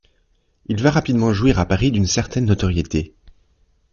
Il va rapidement jouir à Paris d'une certaine notoriété.